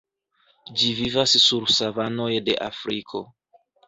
Ĝi vivas sur savanoj de Afriko.